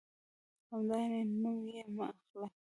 همدا یعنې؟ نوم یې مه اخله.